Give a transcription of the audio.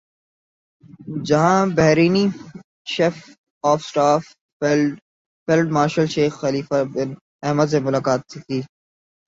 جہاں بحرینی chief of staff field marshal شیخ خلیفہ بن احمد سے ملاقات کی